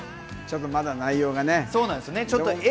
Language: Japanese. まだ内容がね。